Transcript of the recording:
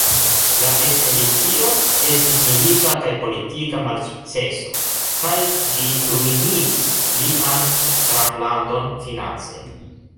La ekspedicio estis milita kaj politika malsukceso, kaj ĝi ruinigis lian Graflandon finance.